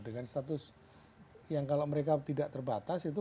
dengan status yang kalau mereka tidak terbatas itu